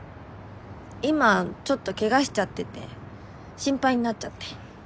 今ちょっとケガしちゃってて心配になっちゃって。